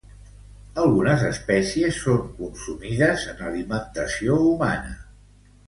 Algunes espècies són consumides en alimentació humana.